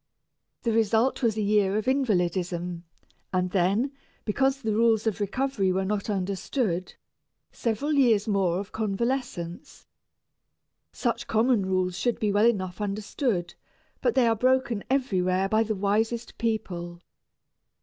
The result was a year of invalidism, and then, because the rules of recovery were not understood, several years more of convalescence. Such common rules should be well enough understood, but they are broken everywhere by the wisest people.